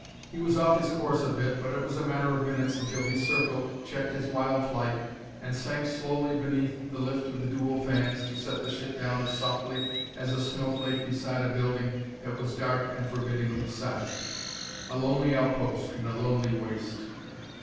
He was off his course a bit, but it was a matter of minutes until he circled, checked his wild flight, and sank slowly beneath the lift of the dual fans to set the ship down as softly as a snowflake beside a building that was dark and forbiddingly silent a lonely outpost in a lonely waste.